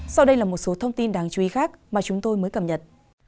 sau đây là một số thông tin đáng chú ý khác mà chúng tôi mới cầm nhận